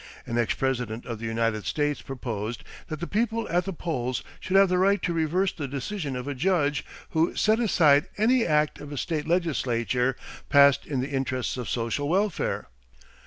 An ex President of the United States proposed that the people at the polls should have the right to reverse the decision of a judge who set aside any act of a state legislature passed in the interests of social welfare.